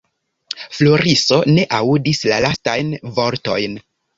Floriso ne aŭdis la lastajn vortojn.